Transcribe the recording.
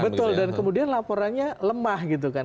betul dan kemudian laporannya lemah gitu kan